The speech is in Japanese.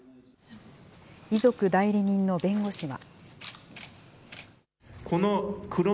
遺族代理人の弁護士は。